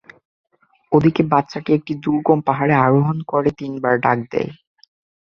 ওদিকে বাচ্চাটি একটি দুর্গম পাহাড়ে আরোহণ করে তিনবার ডাক দেয়।